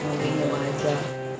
abah mau bingung aja